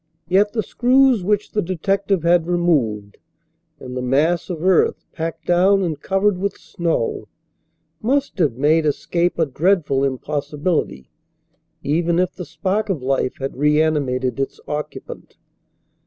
Yet the screws which the detective had removed, and the mass of earth, packed down and covered with snow, must have made escape a dreadful impossibility even if the spark of life had reanimated its occupant.